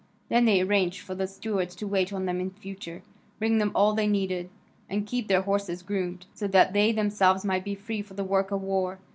Then they arranged for the stewards to wait on them in future, bring them all they needed, and keep their horses groomed, so that they themselves might be free for the work of war.